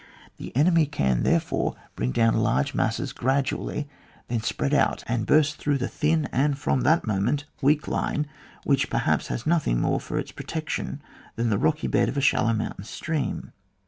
The enemy can, therefore, bring down large masses gradually, then spread out, and burst through the thin and front that moment weak iLie, which, perhaps, has nothing more for its protection than the rocky bed of a shallow mountain* stream.